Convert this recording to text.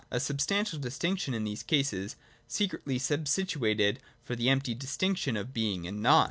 A substantial distinction is in these cases secretly sub stituted for the empty distinction of Being and Nought.